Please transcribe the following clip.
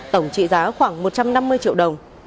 tổng trị giá khoảng một đồng